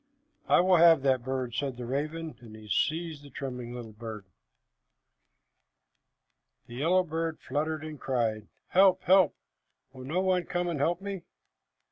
"I will have that bird," said the raven, and he seized the trembling little thing. The yellow bird fluttered and cried, "Help, help! Will no one come and help me!"